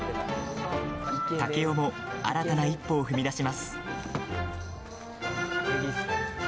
竹雄も新たな一歩を踏み出します。